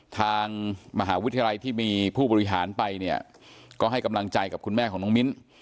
ทางมหาวิทยาลัยที่มีผู้บริหารไปเนี่ยก็ให้กำลังใจกับคุณแม่ของน้องมิ้น